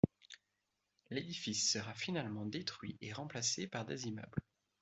L'édifice sera finalement détruit et remplacé par des immeubles.